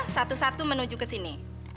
satu satu menuju kesini